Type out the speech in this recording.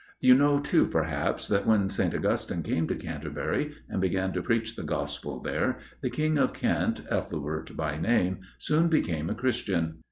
You know too, perhaps, that when St. Augustine came to Canterbury and began to preach the Gospel there, the King of Kent, Ethelbert by name, soon became a Christian.